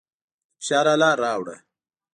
د فشار اله راوړه.